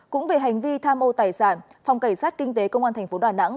cũng về hành vi tham ô tài sản phòng cảnh sát kinh tế công an thành phố đà nẵng